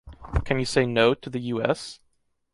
Can you say “no” to the US?